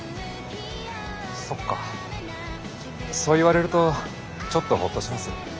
そっかそう言われるとちょっとほっとします。